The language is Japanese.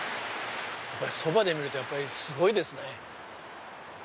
そばで見るとすごいですね。